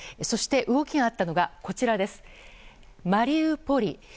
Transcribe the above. そして、動きがあったのがマリウポリ。